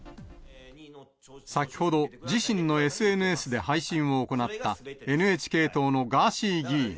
先ほど、自身のＳＮＳで配信を行ったＮＨＫ党のガーシー議員。